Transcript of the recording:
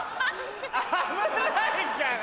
危ないから！